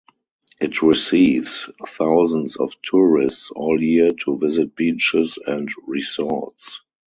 It receives thousands of tourists all year to visit beaches and resorts.